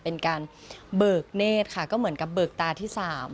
เป็นการเบิกเนธค่ะก็เหมือนกับเบิกตาที่๓